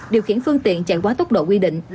điều khiển phương tiện chạy quá tốc độ quy định